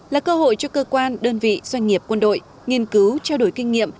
là cơ hội cho cơ quan đơn vị doanh nghiệp quân đội nghiên cứu trao đổi kinh nghiệm